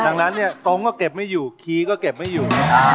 ดังนั้นเนี่ยทรงก็เก็บไม่อยู่คีย์ก็เก็บไม่อยู่